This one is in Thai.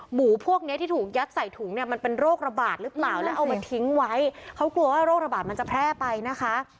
หมูพวกเนี้ยที่ถูกยัดใส่ถุงเนี่ยมันเป็นโรคระบาดหรือเปล่าแล้วเอามาทิ้งไว้เขากลัวว่าโรคระบาดมันจะแพร่ไปนะคะ